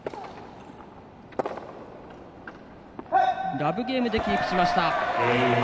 ラブゲームでキープしました。